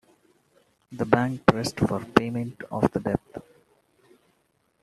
The bank pressed for payment of the debt.